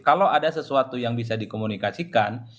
kalau ada sesuatu yang bisa dikomunikasikan